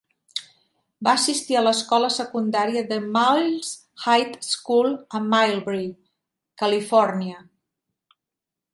Va assistir a l'escola secundària a Mills High School a Millbrae, Califòrnia.